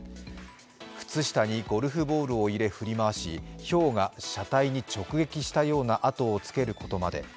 靴下にゴルフボールを入れ振り回し、ひょうが車体に直撃したような跡をつけることまで。